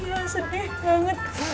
iya sedih banget